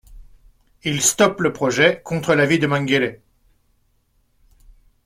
Ils stoppent le projet contre l'avis de Mengele.